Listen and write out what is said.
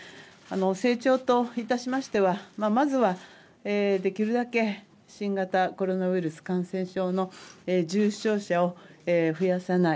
政調といたしましてはまずはできるだけ新型コロナウイルス感染症の重症者を増やさない。